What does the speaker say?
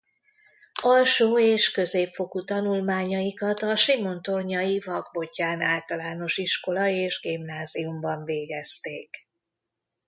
Alsó- és középfokú tanulmányaikat a simontornyai Vak Bottyán Általános Iskola és Gimnáziumban végezték.